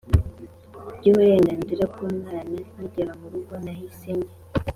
by'uburenganzira bw'umwana. nkigera mu rugo, nahise njya